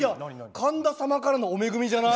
神田様からのお恵みじゃない？